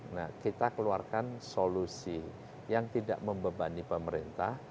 nah kita keluarkan solusi yang tidak membebani pemerintah